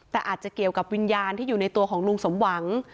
แต่อาจจะเกี่ยวกับวิญญาณที่อยู่ในตัวของลุงสมหวัง